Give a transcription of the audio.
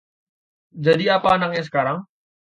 Jadi apa anaknya sekarang?